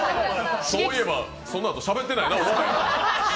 そういえば、そのあとしゃべってないな。